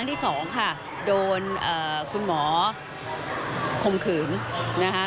โดนอ่าคุณหมอข่มขืนนะคะ